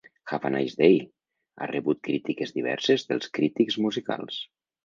"Have a Nice Day" ha rebut crítiques diverses dels crítics musicals.